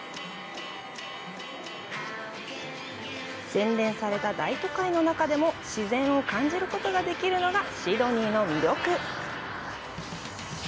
洗練された大都会の中でも自然を感じることができるのがシドニーの魅力。